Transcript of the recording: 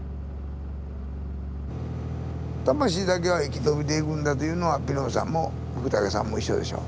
魂だけは生き延びていくんだというのはピノーさんも福武さんも一緒でしょ。